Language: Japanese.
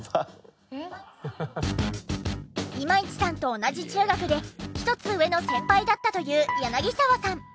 今市さんと同じ中学で１つ上の先輩だったという柳澤さん。